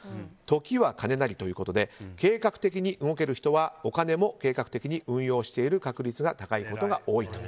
時は金なりということで計画的に動ける人はお金も計画的に運用している確率が高いことが多いと。